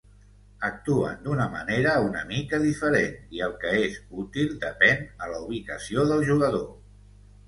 Actuen d'una manera una mica diferent i el que és útil depèn a la ubicació del jugador.